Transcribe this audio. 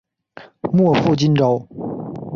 莫负今朝！